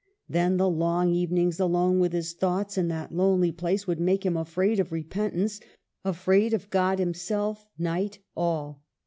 Then the long even ings alone with his thoughts in that lonely place would make him afraid of repentance, afraid of God, himself, night, all.